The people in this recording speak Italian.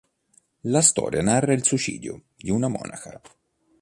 La storia narra il suicidio di una monaca.